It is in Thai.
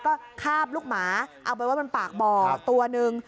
ก็คาบลูกหมาเอาเป็นว่ามันปากเบาะตัวหนึ่ง